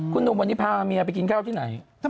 คุณหนุ่มวันนี้พาเมียไปกินข้าวที่ไหน